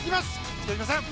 北島さん！